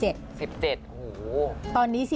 ๑๗โอ้โฮตอนนี้๔๔